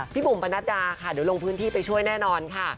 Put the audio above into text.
บุ๋มปนัดดาค่ะเดี๋ยวลงพื้นที่ไปช่วยแน่นอนค่ะ